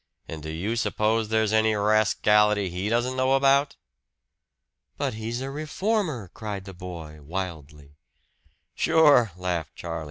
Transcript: And do you suppose there's any rascality he doesn't know about?" "But he's a reformer!" cried the boy wildly. "Sure!" laughed Charlie.